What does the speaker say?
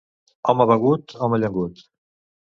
Home begut, home llengut.